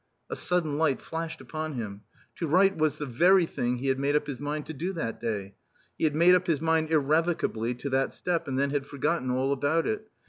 A sudden light flashed upon him. To write was the very thing he had made up his mind to do that day. He had made up his mind irrevocably to that step and then had forgotten all about it.